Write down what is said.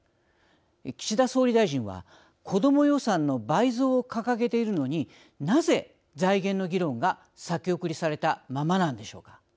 岸田総理大臣は子ども予算の倍増を掲げているのになぜ財源の議論が先送りされたままなんでしょうか。